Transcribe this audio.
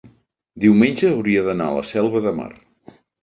diumenge hauria d'anar a la Selva de Mar.